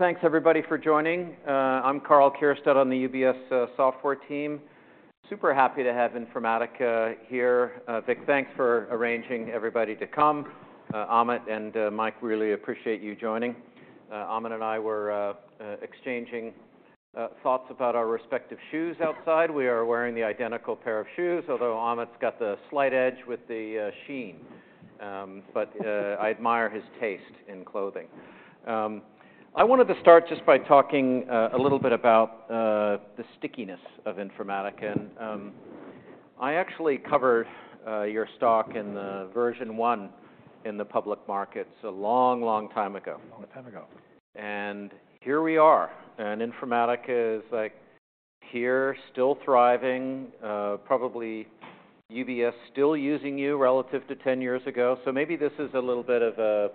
Thanks, everybody, for joining. I'm Karl Keirstead on the UBS software team. Super happy to have Informatica here. Vic, thanks for arranging everybody to come. Amit and Mike really appreciate you joining. Amit and I were exchanging thoughts about our respective shoes outside. We are wearing the identical pair of shoes, although Amit's got the slight edge with the sheen. But I admire his taste in clothing. I wanted to start just by talking a little bit about the stickiness of Informatica. And I actually covered your stock in version one in the public markets a long, long time ago. Long time ago. And here we are. And Informatica is, like, here, still thriving, probably UBS still using you relative to 10 years ago. So maybe this is a little bit of a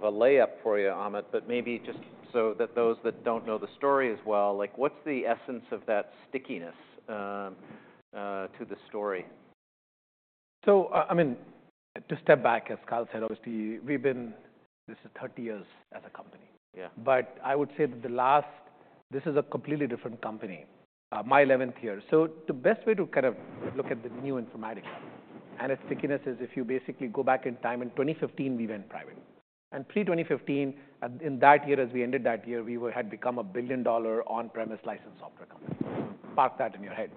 layup for you, Amit, but maybe just so that those that don't know the story as well, like, what's the essence of that stickiness to the story? I mean, to step back, as Karl said, obviously, we've been. This is 30 years as a company. But I would say that this is a completely different company, my 11th year. So the best way to kind of look at the new Informatica and its stickiness is if you basically go back in time. In 2015, we went private. And pre-2015, in that year, as we ended that year, we had become a billion-dollar on-premise licensed software company. Park that in your head.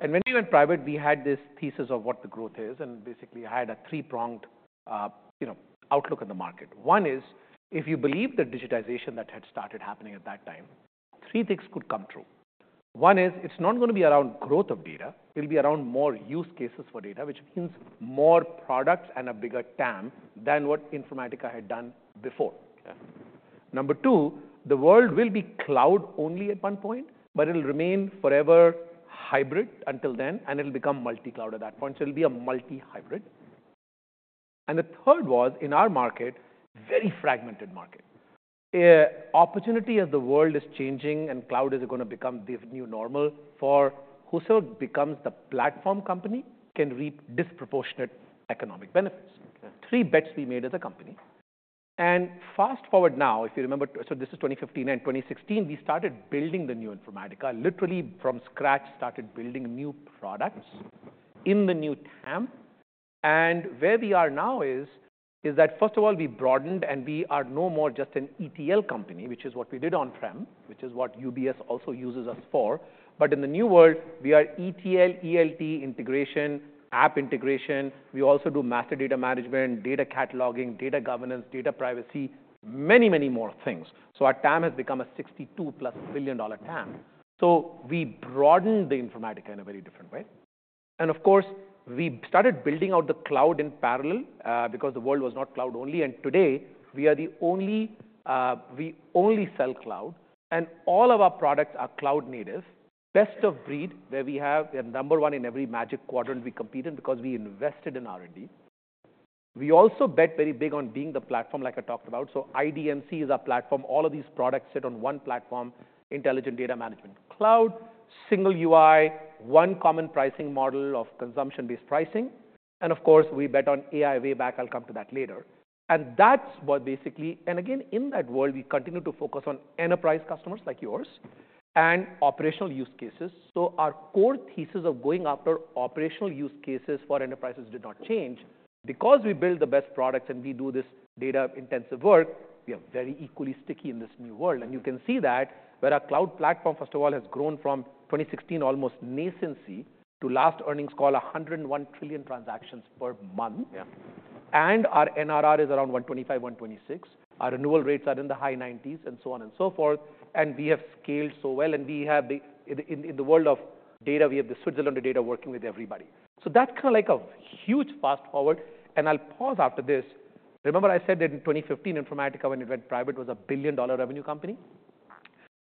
And when we went private, we had this thesis of what the growth is. And basically, I had a three-pronged outlook on the market. One is, if you believe the digitization that had started happening at that time, three things could come true. One is, it's not going to be around growth of data. It'll be around more use cases for data, which means more products and a bigger TAM than what Informatica had done before. Number two, the world will be cloud-only at one point, but it'll remain forever hybrid until then, and it'll become multi-cloud at that point. So it'll be a multi-hybrid. And the third was, in our market, very fragmented market. Opportunity, as the world is changing and cloud is going to become the new normal, for whosoever becomes the platform company can reap disproportionate economic benefits. Three bets we made as a company. And fast forward now, if you remember, so this is 2015. And in 2016, we started building the new Informatica, literally from scratch, started building new products in the new TAM. And where we are now is that, first of all, we broadened, and we are no more just an ETL company, which is what we did on-prem, which is what UBS also uses us for. But in the new world, we are ETL, ELT integration, app integration. We also do master data management, data cataloging, data governance, data privacy, many, many more things. So our TAM has become a $62-plus billion TAM. So we broadened the Informatica in a very different way. And of course, we started building out the cloud in parallel because the world was not cloud-only. And today, we are the only we only sell cloud. And all of our products are cloud-native, best of breed, where we are number one in every Magic Quadrant we competed because we invested in R&D. We also bet very big on being the platform, like I talked about. So IDMC is our platform. All of these products sit on one platform, Intelligent Data Management Cloud, single UI, one common pricing model of consumption-based pricing. And of course, we bet on AI way back. I'll come to that later. And that's what basically and again, in that world, we continue to focus on enterprise customers like yours and operational use cases. So our core thesis of going after operational use cases for enterprises did not change. Because we build the best products and we do this data-intensive work, we are very equally sticky in this new world. You can see that where our cloud platform, first of all, has grown from 2016 almost nascency to last earnings call, 101 trillion transactions per month. And our NRR is around 125%-126%. Our renewal rates are in the high 90s and so on and so forth. And we have scaled so well. And we have, in the world of data, the Switzerland of data working with everybody. So that's kind of like a huge fast forward. And I'll pause after this. Remember I said that in 2015, Informatica, when it went private, was a $1 billion revenue company?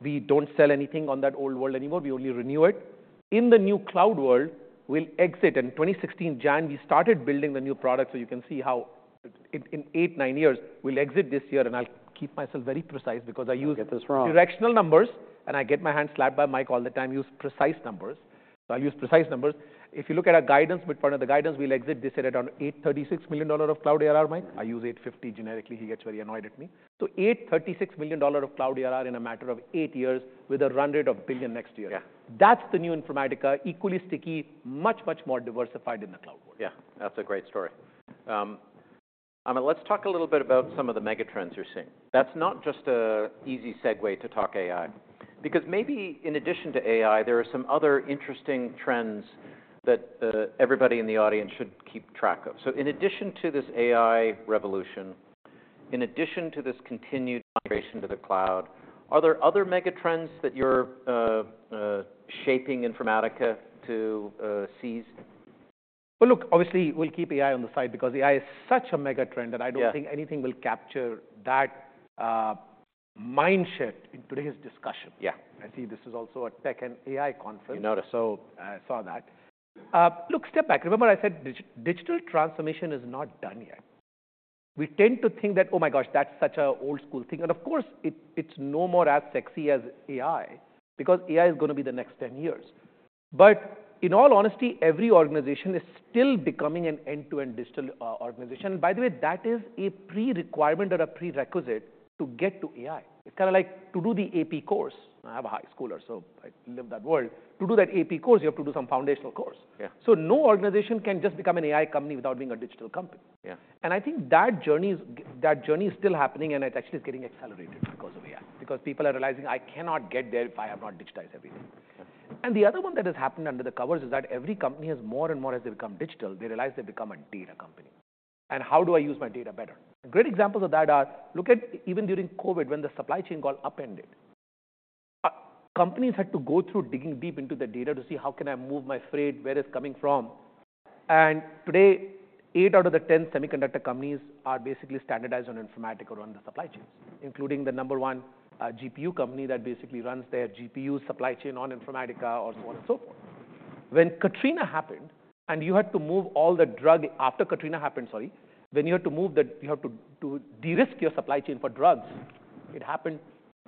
We don't sell anything on that old world anymore. We only renew it. In the new cloud world, we'll exit. And in 2016, January, we started building the new product. So you can see how in eight, nine years, we'll exit this year. And I'll keep myself very precise because I use. Don't get this wrong. Directional numbers. I get my hand slapped by Mike all the time. Use precise numbers. I'll use precise numbers. If you look at our guidance, part of the guidance, we'll exit this year at around $836 million of cloud ARR, Mike. I use $850 generically. He gets very annoyed at me. $836 million of cloud ARR in a matter of eight years with a run rate of a billion next year. Yeah. That's the new Informatica, equally sticky, much, much more diversified in the cloud world. Yeah. That's a great story. Amit, let's talk a little bit about some of the megatrends you're seeing. That's not just an easy segue to talk AI because maybe in addition to AI, there are some other interesting trends that everybody in the audience should keep track of. So in addition to this AI revolution, in addition to this continued migration to the cloud, are there other megatrends that you're shaping Informatica to seize? Look, obviously, we'll keep AI on the side because AI is such a megatrend that I don't think anything will capture that mindset in today's discussion. I see this is also a tech and AI conference. You notice? So I saw that. Look, step back. Remember I said digital transformation is not done yet. We tend to think that, oh, my gosh, that's such an old-school thing. And of course, it's no more as sexy as AI because AI is going to be the next 10 years. But in all honesty, every organization is still becoming an end-to-end digital organization. And by the way, that is a prerequirement or a prerequisite to get to AI. It's kind of like to do the AP course. I have a high schooler, so I live that world. To do that AP course, you have to do some foundational course. No organization can just become an AI company without being a digital company. I think that journey is still happening, and it actually is getting accelerated because of AI because people are realizing, I cannot get there if I have not digitized everything. The other one that has happened under the covers is that every company has more and more, as they become digital, they realize they've become a data company. And how do I use my data better? Great examples of that are, look at even during COVID, when the supply chain got upended, companies had to go through digging deep into the data to see how can I move my freight, where it's coming from. And today, eight out of the 10 semiconductor companies are basically standardized on Informatica to run the supply chains, including the number one GPU company that basically runs their GPU supply chain on Informatica or so on and so forth. When Katrina happened and you had to move all the drugs after Katrina happened, sorry, when you had to de-risk your supply chain for drugs, it happened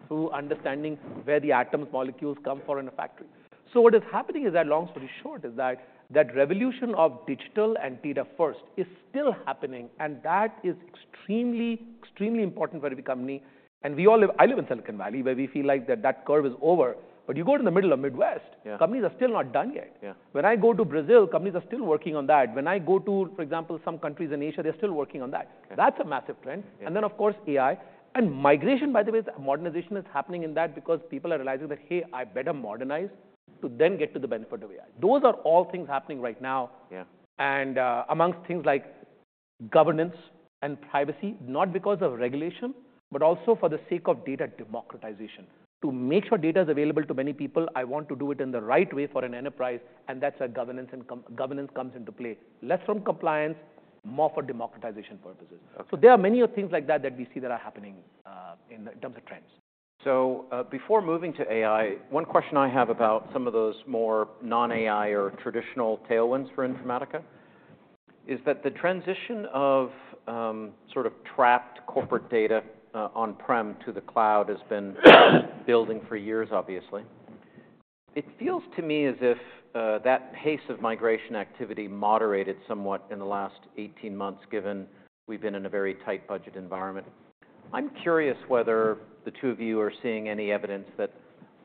through understanding where the atoms, molecules come from in a factory. So what is happening is that long story short is that revolution of digital and data first is still happening. And that is extremely, extremely important for every company. And we all live. I live in Silicon Valley, where we feel like that curve is over. But you go to the middle of the Midwest. Companies are still not done yet. When I go to Brazil, companies are still working on that. When I go to, for example, some countries in Asia, they're still working on that. That's a massive trend. And then, of course, AI. And migration, by the way, modernization is happening in that because people are realizing that, hey, I better modernize to then get to the benefit of AI. Those are all things happening right now. And amongst things like governance and privacy, not because of regulation, but also for the sake of data democratization, to make sure data is available to many people, I want to do it in the right way for an enterprise. And that's where governance and governance comes into play, less from compliance, more for democratization purposes. So there are many things like that that we see that are happening in terms of trends. So before moving to AI, one question I have about some of those more non-AI or traditional tailwinds for Informatica is that the transition of sort of trapped corporate data on-prem to the cloud has been building for years, obviously. It feels to me as if that pace of migration activity moderated somewhat in the last 18 months, given we've been in a very tight budget environment. I'm curious whether the two of you are seeing any evidence that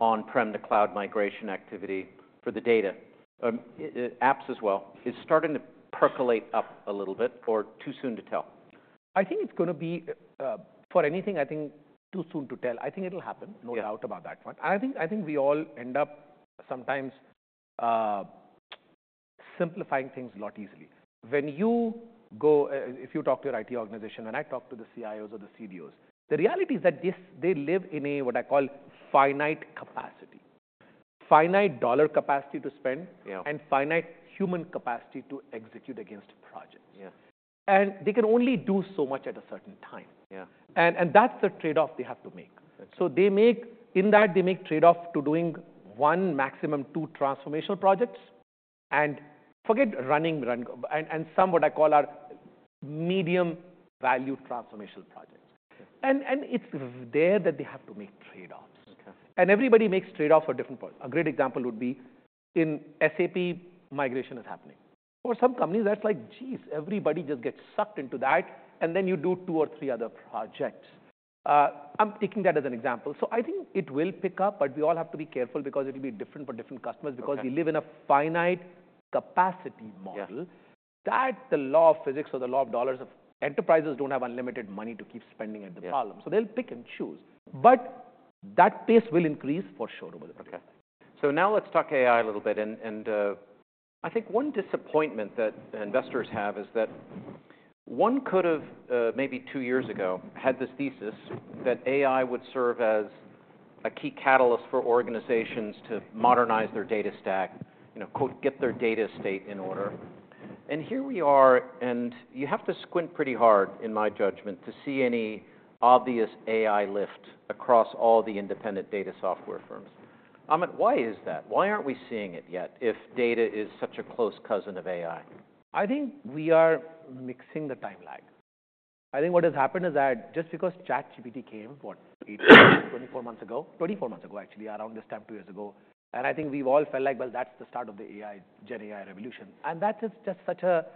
on-prem to cloud migration activity for the data apps as well is starting to percolate up a little bit or too soon to tell? I think it's going to be for anything. I think too soon to tell. I think it'll happen. No doubt about that one, and I think we all end up sometimes simplifying things a lot easily. When you go, if you talk to your IT organization, when I talk to the CIOs or the CDOs, the reality is that they live in a what I call finite capacity, finite dollar capacity to spend. And finite human capacity to execute against projects. They can only do so much at a certain time. That's the trade-off they have to make. So, in that, they make trade-offs to doing one, maximum two transformational projects and forget running and some what I call are medium-value transformational projects. And it's there that they have to make trade-offs. And everybody makes trade-offs for different purposes. A great example would be in SAP, migration is happening. For some companies, that's like, jeez, everybody just gets sucked into that, and then you do two or three other projects. I'm taking that as an example. So I think it will pick up, but we all have to be careful because it'll be different for different customers because we live in a finite capacity model. That the law of physics or the law of dollars of enterprises don't have unlimited money to keep spending at the problem. So they'll pick and choose. But that pace will increase for sure over the future. Okay, so now let's talk about AI a little bit. I think one disappointment that investors have is that one could have maybe two years ago had this thesis that AI would serve as a key catalyst for organizations to modernize their data stack. Quote, “get their data estate in order.” Here we are, and you have to squint pretty hard, in my judgment, to see any obvious AI lift across all the independent data software firms. Amit, why is that? Why aren't we seeing it yet if data is such a close cousin of AI? I think we are mixing the time lag. I think what has happened is that just because ChatGPT came what, eight, 24 months ago? 24 months ago, actually, around this time, two years ago. And I think we've all felt like, well, that's the start of the AI, GenAI revolution. And that is just such a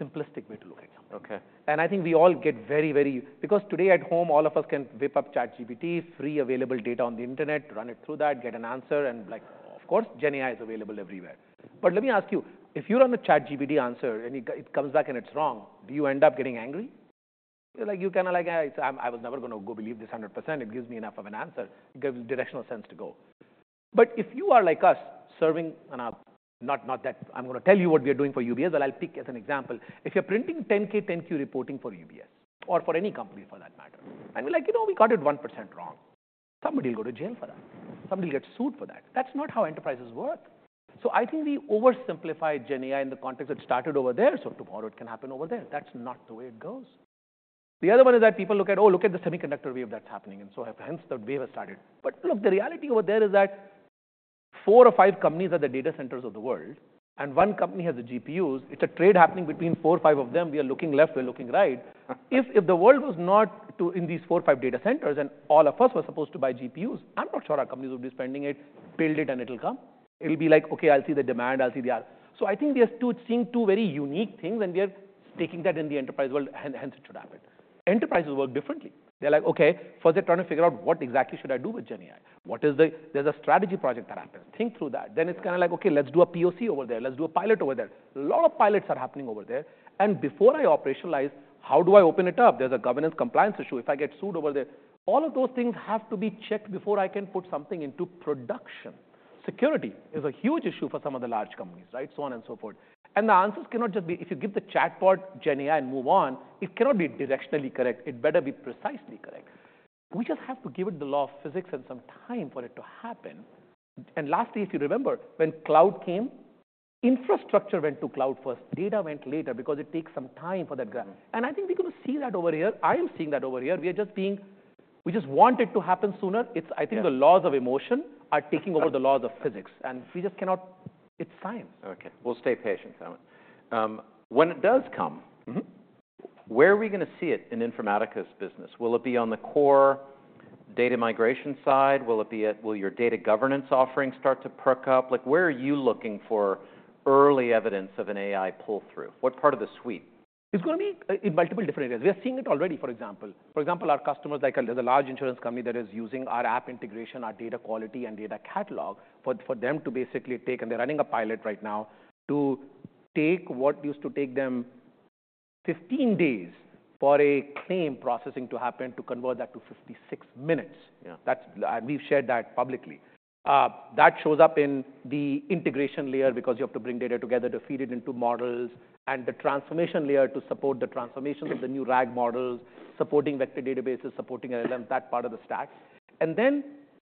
simplistic way to look at something. And I think we all get very, very because today at home, all of us can whip up ChatGPT, free available data on the internet, run it through that, get an answer. And like, of course, GenAI is available everywhere. But let me ask you, if you run a ChatGPT answer and it comes back and it's wrong, do you end up getting angry? You're like, you kind of like, I was never going to go believe this 100%. It gives me enough of an answer. It gives directional sense to go. But if you are like us, serving not that I'm going to tell you what we are doing for UBS, but I'll pick as an example. If you're printing 10-K, 10-Q reporting for UBS or for any company for that matter, and we're like, you know, we got it 1% wrong, somebody will go to jail for that. Somebody will get sued for that. That's not how enterprises work, so I think we oversimplify GenAI in the context that started over there, so tomorrow it can happen over there. That's not the way it goes. The other one is that people look at, oh, look at the semiconductor wave that's happening, and so hence the wave has started. But look, the reality over there is that four or five companies are the data centers of the world, and one company has the GPUs. It's a trade happening between four or five of them. We are looking left. We're looking right. If the world was not in these four or five data centers and all of us were supposed to buy GPUs, I'm not sure our companies would be spending it, build it, and it'll come. It'll be like, okay, I'll see the demand. I'll see the other. So I think we are seeing two very unique things, and we are taking that in the enterprise world, and hence it should happen. Enterprises work differently. They're like, okay, first they're trying to figure out what exactly should I do with GenAI. What is there? There's a strategy project that happens. Think through that. Then it's kind of like, okay, let's do a POC over there. Let's do a pilot over there. A lot of pilots are happening over there. And before I operationalize, how do I open it up? There's a governance compliance issue. If I get sued over there, all of those things have to be checked before I can put something into production. Security is a huge issue for some of the large companies, right? So on and so forth. The answers cannot just be if you give the chatbot GenAI and move on; it cannot be directionally correct. It better be precisely correct. We just have to give it the law of physics and some time for it to happen. Lastly, if you remember, when cloud came, infrastructure went to cloud first. Data went later because it takes some time for that. I think we're going to see that over here. I am seeing that over here. We just want it to happen sooner. It's, I think, the laws of emotion are taking over the laws of physics, and we just cannot. It's science. Okay. We'll stay patient, Amit. When it does come, where are we going to see it in Informatica's business? Will it be on the core data migration side? Or will your data governance offering start to perk up? Like, where are you looking for early evidence of an AI pull-through? What part of the suite? It's going to be in multiple different areas. We are seeing it already, for example. For example, our customers, like there's a large insurance company that is using our data integration, our data quality, and data catalog for them to basically take and they're running a pilot right now to take what used to take them 15 days for a claim processing to happen to convert that to 56 minutes. That's, and we've shared that publicly. That shows up in the integration layer because you have to bring data together to feed it into models and the transformation layer to support the transformation of the new RAG models, supporting vector databases, supporting LLMs, that part of the stack. And then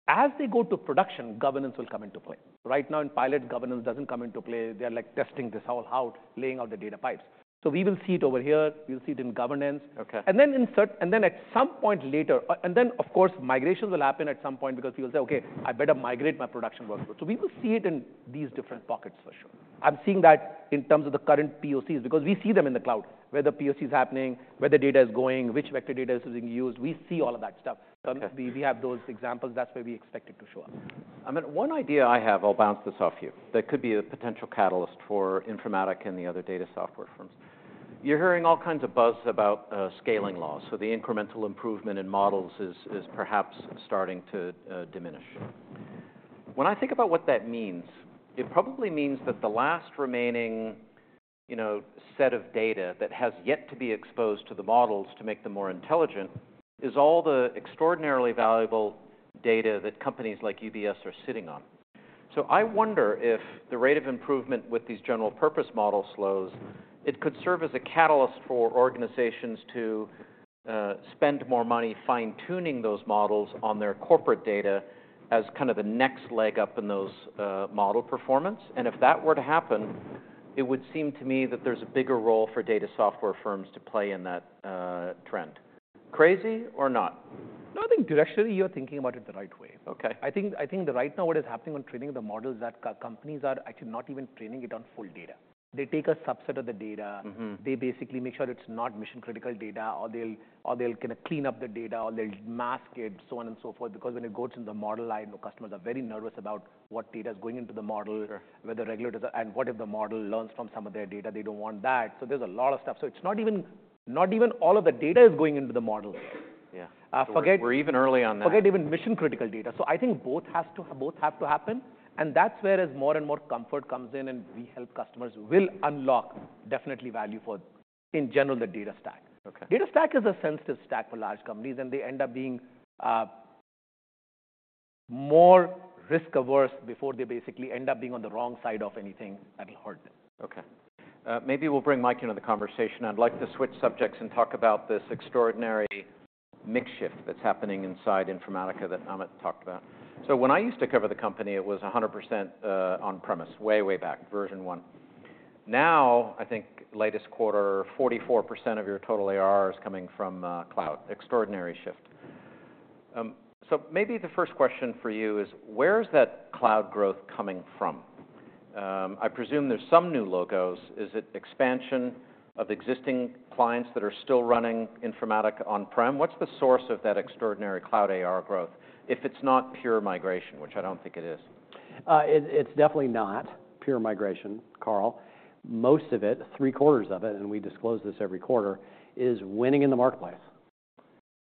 as they go to production, governance will come into play. Right now in pilot, governance doesn't come into play. They're like testing this all out, laying out the data pipes. So we will see it over here. We'll see it in governance. And then at some point later, of course, migrations will happen at some point because people say, okay, I better migrate my production workload. So we will see it in these different pockets for sure. I'm seeing that in terms of the current POCs because we see them in the cloud, where the POC is happening, where the data is going, which vector data is being used. We see all of that stuff. We have those examples. That's where we expect it to show up. I mean, one idea I have. I'll bounce this off you. That could be a potential catalyst for Informatica and the other data software firms. You're hearing all kinds of buzz about scaling laws. So the incremental improvement in models is perhaps starting to diminish. When I think about what that means, it probably means that the last remaining set of data that has yet to be exposed to the models to make them more intelligent is all the extraordinarily valuable data that companies like UBS are sitting on. So I wonder if the rate of improvement with these general-purpose model flows could serve as a catalyst for organizations to spend more money fine-tuning those models on their corporate data as kind of the next leg up in those model performance. If that were to happen, it would seem to me that there's a bigger role for data software firms to play in that trend. Crazy or not? No, I think directionally, you're thinking about it the right way. I think that right now what is happening on training the models is that companies are actually not even training it on full data. They take a subset of the data. They basically make sure it's not mission-critical data, or they'll kind of clean up the data, or they'll mask it, so on and so forth. Because when it goes in the modeling, customers are very nervous about what data is going into the model. Whether regulators and what if the model learns from some of their data. They don't want that. So there's a lot of stuff. So it's not even all of the data is going into the model. Forget. We're even early on that. Forget even mission-critical data. So I think both have to happen. And that's where, as more and more comfort comes in, and we help customers will unlock definitely value for, in general, the data stack. Data stack is a sensitive stack for large companies, and they end up being more risk-averse before they basically end up being on the wrong side of anything that'll hurt them. Okay. Maybe we'll bring Mike into the conversation. I'd like to switch subjects and talk about this extraordinary makeover that's happening inside Informatica that Amit talked about. So when I used to cover the company, it was 100% on-premises, way, way back, version one. Now, I think latest quarter, 44% of your total ARR is coming from cloud. Extraordinary shift. So maybe the first question for you is, where is that cloud growth coming from? I presume there's some new logos. Is it expansion of existing clients that are still running Informatica on-prem? What's the source of that extraordinary cloud ARR growth if it's not pure migration, which I don't think it is? It's definitely not pure migration, Karl. Most of it, three-quarters of it, and we disclose this every quarter, is winning in the marketplace,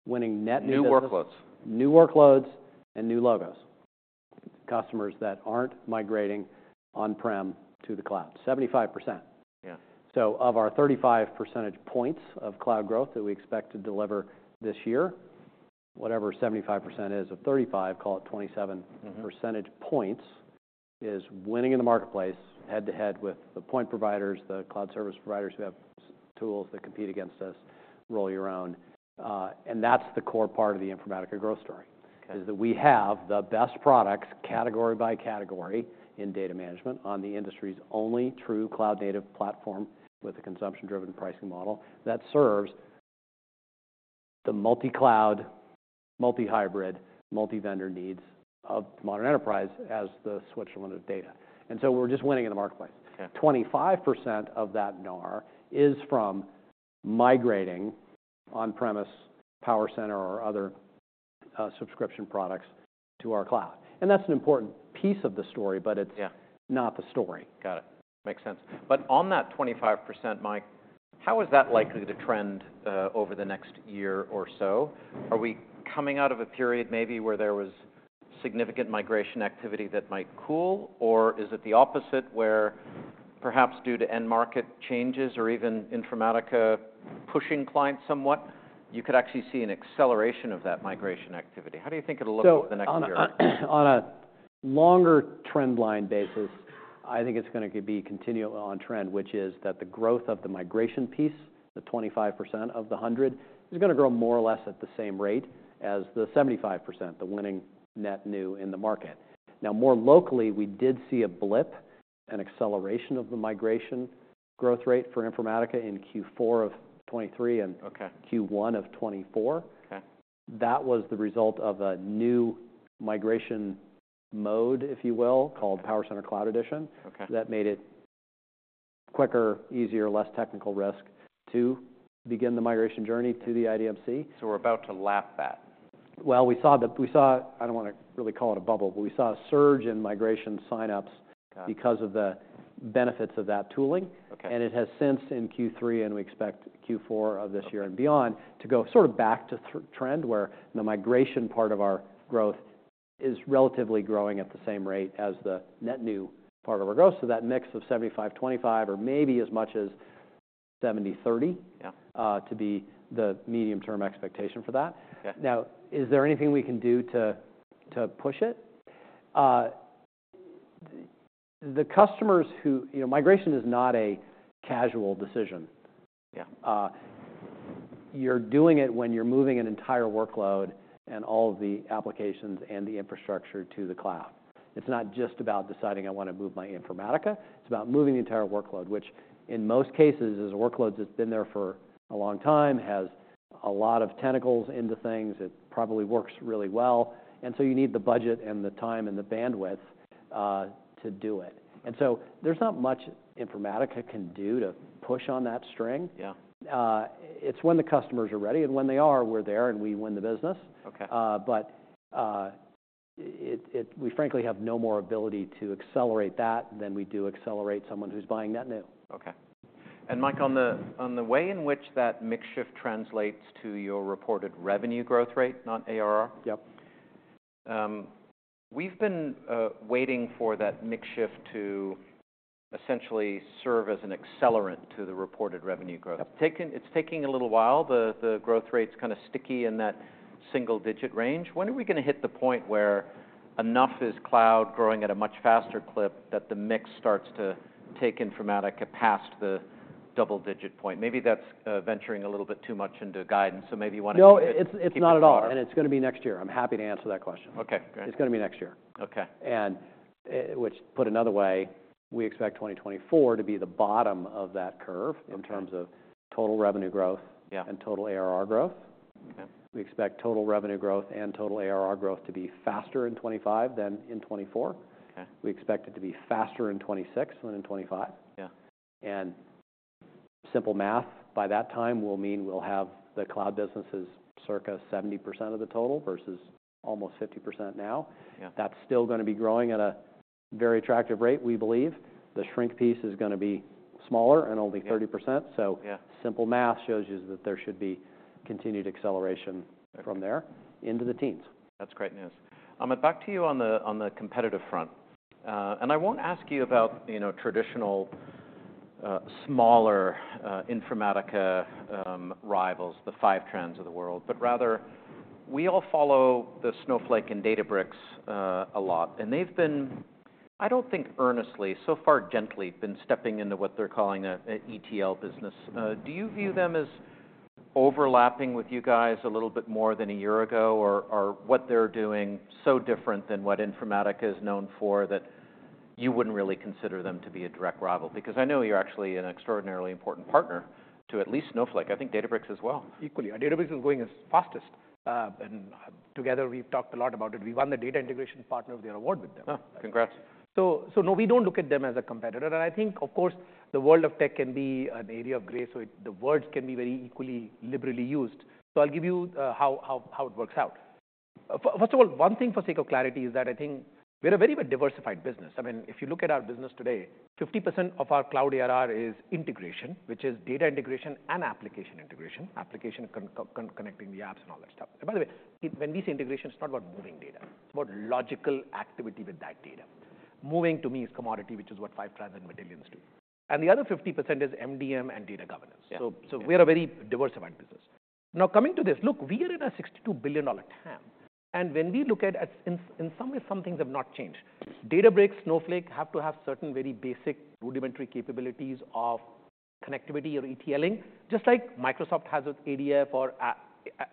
winning net new. New workloads. New workloads and new logos. Customers that aren't migrating on-prem to the cloud, 75%. Of our 35 percentage points of cloud growth that we expect to deliver this year, whatever 75% is of 35, call it 27 percentage points, is winning in the marketplace head-to-head with the point providers, the cloud service providers who have tools that compete against us, roll your own. And that's the core part of the Informatica growth story. Is that we have the best products category by category in data management on the industry's only true cloud-native platform with a consumption-driven pricing model that serves the multi-cloud, multi-hybrid, multi-vendor needs of modern enterprise as the switch to limitless data, and so we're just winning in the marketplace. 25% of that NAR is from migrating on-premises PowerCenter or other subscription products to our cloud, and that's an important piece of the story, but it's. Not the story. Got it. Makes sense. But on that 25%, Mike, how is that likely to trend over the next year or so? Are we coming out of a period maybe where there was significant migration activity that might cool, or is it the opposite where perhaps due to end-market changes or even Informatica pushing clients somewhat, you could actually see an acceleration of that migration activity? How do you think it'll look over the next year? So on a longer trend line basis, I think it's going to be continual on trend, which is that the growth of the migration piece, the 25% of the 100, is going to grow more or less at the same rate as the 75%, the winning net new in the market. Now, more locally, we did see a blip, an acceleration of the migration growth rate for Informatica in Q4 of 2023 and Q1 of 2024. That was the result of a new migration mode, if you will, called PowerCenter Cloud Edition. That made it quicker, easier, less technical risk to begin the migration journey to the IDMC. We're about to lap that. I don't want to really call it a bubble, but we saw a surge in migration sign-ups. Because of the benefits of that tooling. It has since in Q3, and we expect Q4 of this year and beyond to go sort of back to trend where the migration part of our growth is relatively growing at the same rate as the net new part of our growth, so that mix of 75-25, or maybe as much as 70-30. To be the medium-term expectation for that. Now, is there anything we can do to push it? The customers, you know, migration is not a casual decision. You're doing it when you're moving an entire workload and all of the applications and the infrastructure to the cloud. It's not just about deciding I want to move my Informatica. It's about moving the entire workload, which in most cases is a workload that's been there for a long time, has a lot of tentacles into things. It probably works really well. And so you need the budget and the time and the bandwidth to do it. And so there's not much Informatica can do to push on that string. It's when the customers are ready, and when they are, we're there and we win the business. But if we frankly have no more ability to accelerate that than we do to accelerate someone who's buying net new. Okay. And Mike, on the way in which that makeshift translates to your reported revenue growth rate, not ARR? Yep. We've been waiting for that makeshift to essentially serve as an accelerant to the reported revenue growth. Yep. It's taking a little while. The growth rate's kind of sticky in that single-digit range. When are we going to hit the point where enough is cloud growing at a much faster clip that the mix starts to take Informatica past the double-digit point? Maybe that's venturing a little bit too much into guidance, so maybe you want to. No, it's not at all. And it's going to be next year. I'm happy to answer that question. Okay. Great. It's going to be next year. Which put another way, we expect 2024 to be the bottom of that curve in terms of total revenue growth and Total ARR growth. We expect total revenue growth and total ARR growth to be faster in 2025 than in 2024. We expect it to be faster in 2026 than in 2025. Simple math by that time will mean we'll have the cloud businesses circa 70% of the total versus almost 50% now. That's still going to be growing at a very attractive rate, we believe. The shrink piece is going to be smaller and only 30%. Simple math shows you that there should be continued acceleration from there into the teens. That's great news. Amit, back to you on the competitive front. And I won't ask you about, you know, traditional smaller Informatica rivals, the Fivetran of the world, but rather we all follow the Snowflake and Databricks a lot. And they've been, I don't think earnestly, so far gently, been stepping into what they're calling an ETL business. Do you view them as overlapping with you guys a little bit more than a year ago, or what they're doing so different than what Informatica is known for that you wouldn't really consider them to be a direct rival? Because I know you're actually an extraordinarily important partner to at least Snowflake. I think Databricks as well. Equally. Databricks is going fastest. And together we've talked a lot about it. We won the data integration partner of the year award with them. Congrats. No, we don't look at them as a competitor. I think, of course, the world of tech can be an area of gray, so the words can be very liberally used. I'll give you how it works out. First of all, one thing for the sake of clarity is that I think we're a very diversified business. I mean, if you look at our business today, 50% of our cloud ARR is integration, which is data integration and application integration, connecting the apps and all that stuff. By the way, when we say integration, it's not about moving data. It's about logical activity with that data. Moving, to me, is commodity, which is what 5,000 vendors do. The other 50% is MDM and data governance. So we're a very diversified business. Now coming to this, look, we are in a $62 billion TAM. And when we look at in some ways, some things have not changed. Databricks, Snowflake have to have certain very basic rudimentary capabilities of connectivity or ETLing, just like Microsoft has with ADF or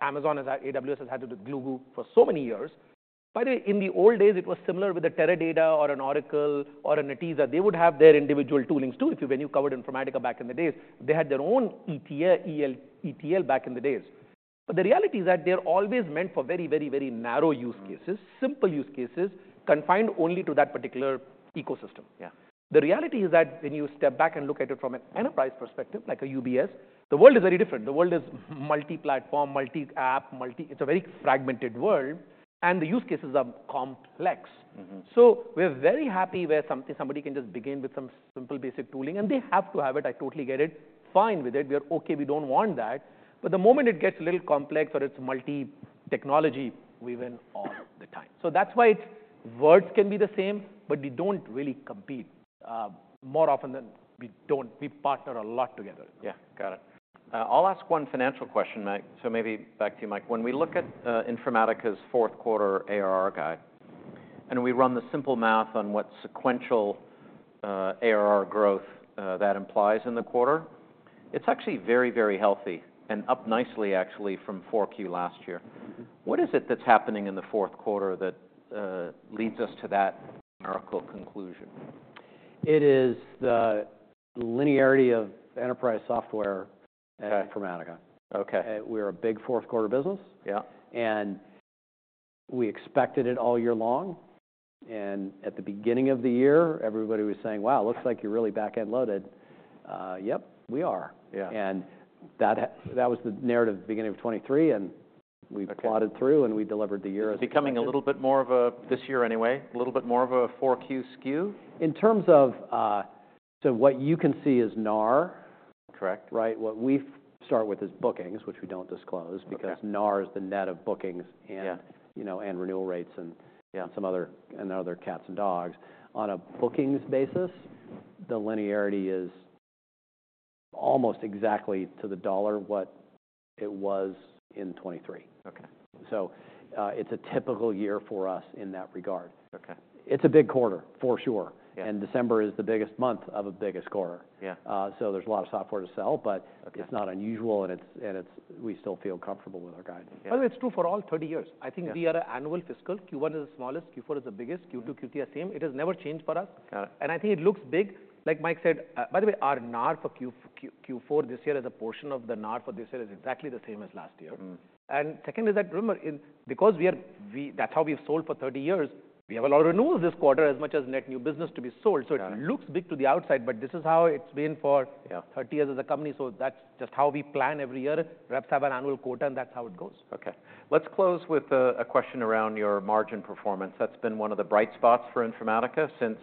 Amazon has AWS has had with Glue for so many years. By the way, in the old days, it was similar with a Teradata or an Oracle or a Netezza. They would have their individual toolings too. If you covered Informatica back in the days, they had their own ETL back in the days. But the reality is that they're always meant for very, very, very narrow use cases, simple use cases confined only to that particular ecosystem. The reality is that when you step back and look at it from an enterprise perspective, like a UBS, the world is very different. The world is multi-platform, multi-app, multi it's a very fragmented world, and the use cases are complex. So we're very happy where somebody can just begin with some simple basic tooling, and they have to have it. I totally get it, fine with it. We're okay. We don't want that. But the moment it gets a little complex or it's multi-technology, we win all the time. So that's why its words can be the same, but we don't really compete more often than we don't. We partner a lot together. Yeah. Got it. I'll ask one financial question, Mike. So maybe back to you, Mike. When we look at Informatica's fourth quarter ARR guide and we run the simple math on what sequential ARR growth that implies in the quarter, it's actually very, very healthy and up nicely actually from 4Q last year. What is it that's happening in the fourth quarter that leads us to that miracle conclusion? It is the linearity of enterprise software at Informatica. We're a big fourth quarter business. And we expected it all year long. And at the beginning of the year, everybody was saying, "Wow, looks like you're really back-end loaded." Yep, we are. That was the narrative at the beginning of 2023, and we plodded through and we delivered the year as. Becoming a little bit more of a this year anyway, a little bit more of a 4Q skew? In terms of so what you can see is NAR. Correct. Right? What we start with is bookings, which we don't disclose because. NAR is the net of bookings and you know, and renewal rates and. Some other cats and dogs. On a bookings basis, the linearity is almost exactly to the dollar what it was in 2023. It's a typical year for us in that regard. It's a big quarter, for sure. December is the biggest month of a biggest quarter. So there's a lot of software to sell, but it's not unusual, and we still feel comfortable with our guide. By the way, it's true for all 30 years. I think we are an annual fiscal. Q1 is the smallest, Q4 is the biggest, Q2, Q3 are same. It has never changed for us. And I think it looks big. Like Mike said, by the way, our NAR for Q4 this year is a portion of the NAR for this year is exactly the same as last year. And second is that, remember, because we are, that's how we've sold for 30 years. We have a lot of renewals this quarter as much as net new business to be sold. So it looks big to the outside, but this is how it's been for 30 years as a company. So that's just how we plan every year. Reps have an annual quota, and that's how it goes. Okay. Let's close with a question around your margin performance. That's been one of the bright spots for Informatica since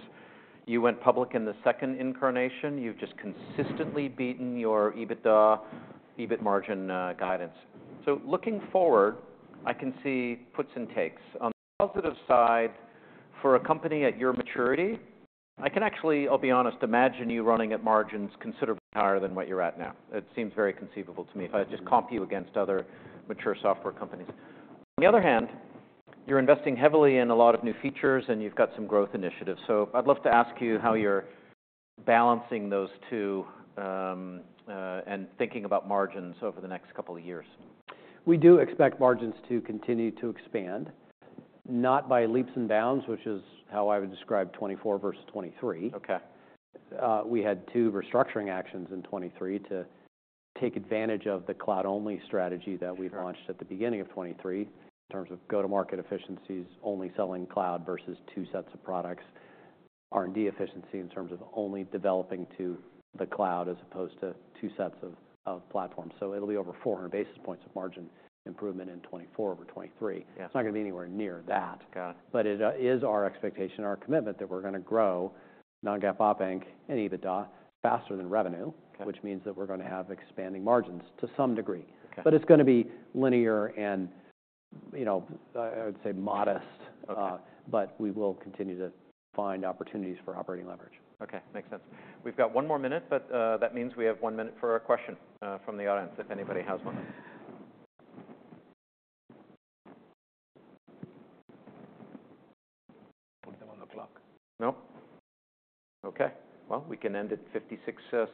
you went public in the second incarnation. You've just consistently beaten your EBITDA, EBIT margin guidance. So looking forward, I can see puts and takes. On the positive side for a company at your maturity, I can actually, I'll be honest, imagine you running at margins considerably higher than what you're at now. It seems very conceivable to me if I just comp you against other mature software companies. On the other hand, you're investing heavily in a lot of new features, and you've got some growth initiatives. So I'd love to ask you how you're balancing those two and thinking about margins over the next couple of years. We do expect margins to continue to expand, not by leaps and bounds, which is how I would describe 2024 versus 2023. We had two restructuring actions in 2023 to take advantage of the cloud-only strategy that we've launched at the beginning of 2023 in terms of go-to-market efficiencies, only selling cloud versus two sets of products, R&D efficiency in terms of only developing to the cloud as opposed to two sets of platforms. So it'll be over 400 basis points of margin improvement in 2024 over 2023. It's not going to be anywhere near that. But it is our expectation and our commitment that we're going to grow non-GAAP OpEx and EBITDA faster than revenue. Which means that we're going to have expanding margins to some degree. But it's going to be linear and, you know, I would say modest. But we will continue to find opportunities for operating leverage. Okay. Makes sense. We've got one more minute, but that means we have one minute for a question from the audience if anybody has one. What's the one o'clock? No. Okay, well, we can end at 56.